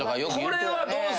これはどうすんの？